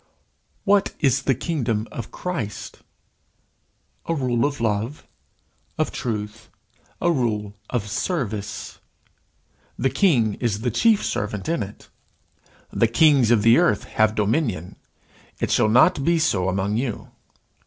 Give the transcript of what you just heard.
What is the kingdom of Christ? A rule of love, of truth a rule of service. The king is the chief servant in it. "The kings of the earth have dominion: it shall not be so among you."